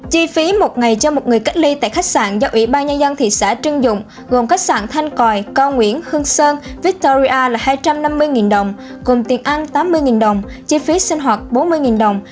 chi phí một ngày cho một người cách ly tại khách sạn do ủy ban nhân dân thị xã trưng dụng gồm khách sạn thanh còi co nguyễn hương sơn victoria là hai trăm năm mươi đồng gồm tiền ăn tám mươi đồng chi phí sinh hoạt bốn mươi đồng